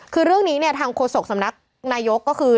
คือเรื่องนี้เนี่ยทางโฆษกสำนักนายกก็คือ